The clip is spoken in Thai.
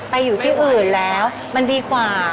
ไปอยู่ที่อื่นแล้วมันดีกว่า